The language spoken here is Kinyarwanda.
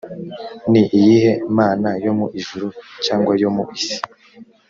ni iyihe mana yo mu ijuru cyangwa yo mu isi